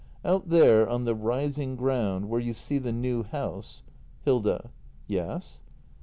] Out there on the rising ground — where you see the new house Hilda. Yes?